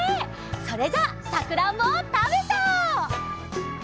それじゃあさくらんぼをたべちゃおう！